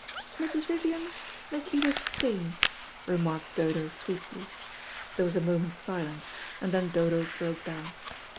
"Mrs. Vivian, Miss Edith Staines," remarked Dodo sweetly. There was a moment's silence, and then Dodo broke down.